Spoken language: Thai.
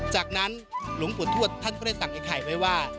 จากนั้นหลวงปู่ทวดท่านก็ได้สั่งไอ้ไข่ไว้ว่า